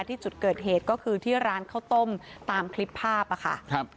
ที่จุดเกิดเหตุก็คือที่ร้านข้าวต้มตามคลิปภาพอ่ะค่ะครับ